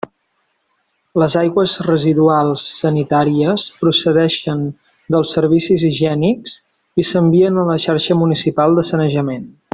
Les aigües residuals sanitàries procedixen dels servicis higiènics i s'envien a la xarxa municipal de sanejament.